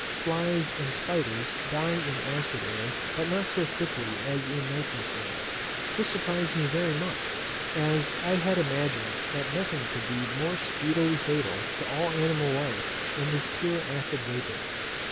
Flies and spiders die in acid air, but not so quickly as in nitrous air. This surprized me very much; as I had imagined that nothing could be more speedily fatal to all animal life than this pure acid vapour.